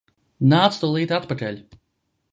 Nāc tūlīt atpakaļ!